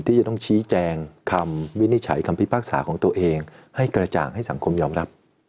ที่จะต้องชี้แจงคำวินิจฉัยคำพิพากษาของตัวเองให้กระจ่างให้สังคมยอมรับ